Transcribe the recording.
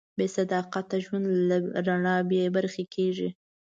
بېصداقته ژوند له رڼا بېبرخې کېږي.